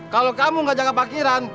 kalau kamu gak jaga parkiran